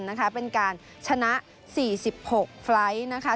จากการเต้นของหัวใจทั้งคู่ไม่มีความสมัคร